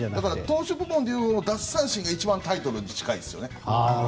投手部門で奪三振が一番タイトルに近いですよね。